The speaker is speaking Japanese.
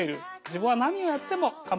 自分は何をやっても構わない。